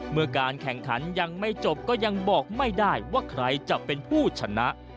การแข่งขันยังไม่จบก็ยังบอกไม่ได้ว่าใครจะเป็นผู้ชนะ